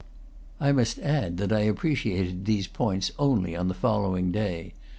I must add that I appreciated these points only on the following day.